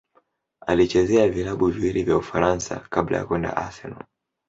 Alichezea vilabu viwili vya Ufaransa kabla ya kwenda Arsenal.